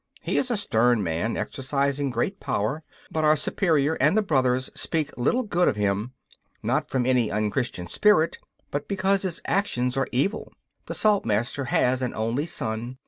He is a stern man, exercising great power, but our Superior and the brothers speak little good of him not from any unchristian spirit, but because his actions are evil. The Saltmaster has an only son.